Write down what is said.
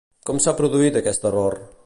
Com s'ha produït aquest error?